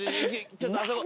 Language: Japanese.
ちょっとあそこ。